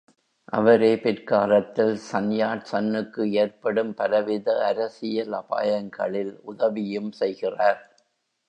அவரே பிற்காலத்தில் Sun Yat சன்னுக்கு ஏற்படும் பலவித அரசியல் அபாயங்களில் உதவியும் செய்கிறார்.